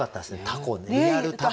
タコねリアルタコ。